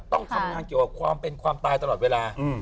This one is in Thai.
ต้องทำงานเกี่ยวกับความเป็นความตายตลอดเวลา